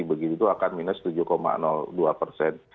begitu itu akan minus tujuh dua persen